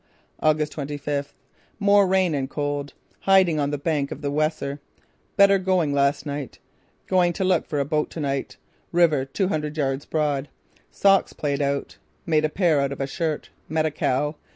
"August twenty fifth: More rain and cold. Hiding on the bank of the Weser. Better going last night. Going to look for boat to night. River two hundred yards broad. Socks played out. Made pair out of a shirt. Met a cow.